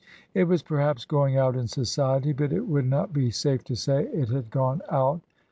It was perhaps going out . in society, but it would not be safe to say it had gone out.